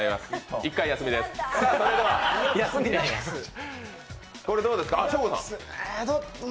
１回休みです。